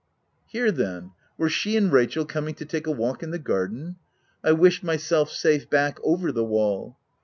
Here, then, were she and Rachel coming to take a walk in the garden. I wished myself safe back over the wall.